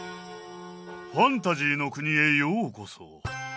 ファンタジーの国へようこそ！